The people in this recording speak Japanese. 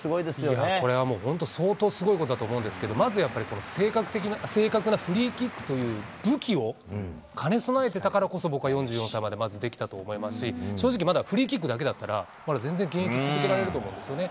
いや、これはもう相当すごいことだと思うんですけど、まずやっぱり正確なフリーキックという武器を兼ね備えてたからこそ、僕は４４歳までまずできたと思いますし、正直、まだフリーキックだけだったら、まだ全然現役続けられると思うんですよね。